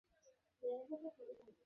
আমি কারো প্রয়োজনে আসতে চাই!